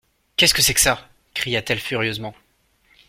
Qu'est-ce que c'est que ça ? cria-t-elle furieusement.